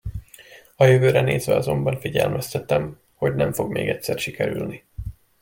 A jövőre nézve azonban figyelmeztetem, hogy nem fog még egyszer sikerülni.